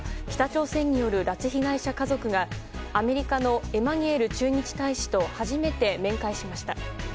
北朝鮮による拉致被害者家族がアメリカのエマニュエル駐日大使と初めて面会しました。